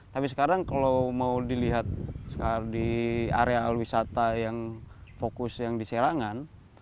tapi sekarang kalau mau dilihat di area wisata yang fokus yang di serangan